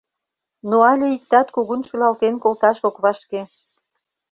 Но але иктат кугун шӱлалтен колташ ок вашке.